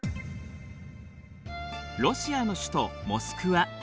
ロシアの首都モスクワ。